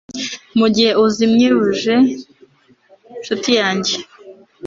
Mugihe uzimye buji nshuti yanjye